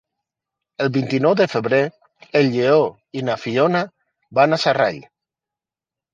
El vint-i-nou de febrer en Lleó i na Fiona van a Sarral.